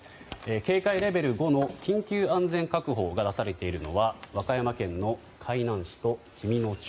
警戒レベル５の緊急安全確保が出されているのは和歌山県の海南市と紀美野町。